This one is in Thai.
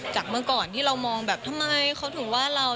เมื่อก่อนที่เรามองแบบทำไมเขาถึงว่าเรา